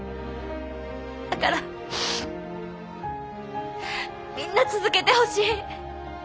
だからみんな続けてほしい。